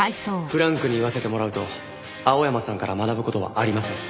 フランクに言わせてもらうと青山さんから学ぶ事はありません。